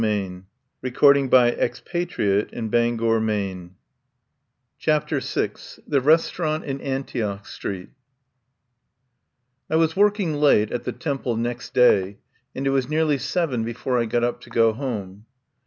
132 CHAPTER VI THE RESTAURANT IN ANTIOCH STREET CHAPTER VI THE RESTAURANT IN ANTIOCH STREET I WAS working late at the Temple next day, and it was nearly seven before I got up to go home.